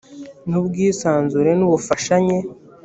n ubwisanzure n ubufashanye